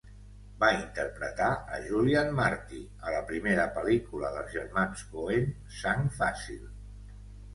Va interpretar a Julian Marty a la primera pel·lícula dels germans Coen, "Sang fàcil".